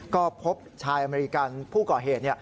ก็พบชายอเมริกันผู้ก่อเหตุ